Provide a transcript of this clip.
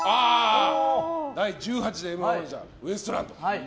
第１８代「Ｍ‐１」王者ウエストランド。